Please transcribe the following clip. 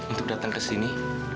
untuk datang ke sini